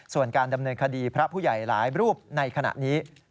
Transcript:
ส่วนการดำเนินคดีพระผู้ใหญ่หลายรูปในขณะนี้